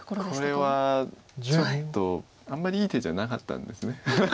これはちょっとあんまりいい手じゃなかったんです。